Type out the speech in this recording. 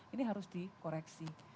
ini harus dikoreksi